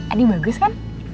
adi bagus kan